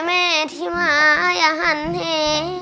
แม่ที่มายะหันเฮ